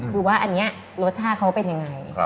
คือว่าอันนี้รสชาติเขาเป็นยังไง